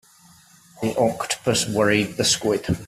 The octopus worried the squid.